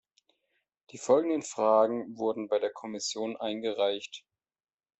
Die folgenden Fragen wurden bei der Kommission eingereicht.